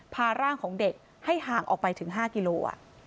พาร่างของเด็กให้ห่างออกไปถึง๕กิโล